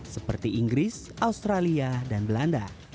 seperti inggris australia dan belanda